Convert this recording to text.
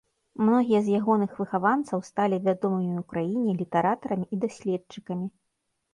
Многія з ягоных выхаванцаў сталі вядомымі ў краіне літаратарамі і даследчыкамі.